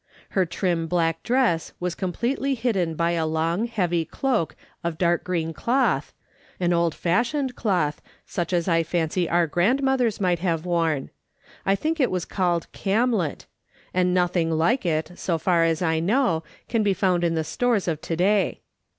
Her trim black dress was completely hidden by a long heavy cloak of dark green cloth, an old fashioned cloth, such as I fancy our grandmothers might have worn — T think it was called camlet, and nothing like it, so far as I know, can be found in the stores of to day.